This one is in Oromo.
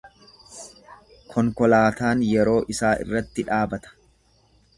Konkolaataan yeroo isaa irratti dhaabata.